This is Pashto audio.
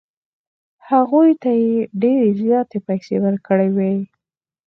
هغوی ته یې ډېرې زیاتې پیسې ورکړې وې.